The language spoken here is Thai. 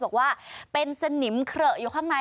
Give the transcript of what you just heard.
บอกว่าเป็นสนิมเขละอยู่ข้างใน